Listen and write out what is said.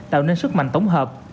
tạo nên sức mạnh tổng hợp